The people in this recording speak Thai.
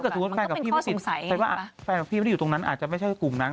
ถ้าเกิดสมมุติแฟนกับพี่ไม่ติดแฟนกับพี่ไม่ได้อยู่ตรงนั้นอาจจะไม่ใช่กลุ่มนั้น